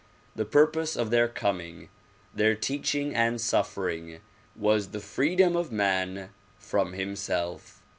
The purpose of their coming, their teaching and suffering was the freedom of man from himself.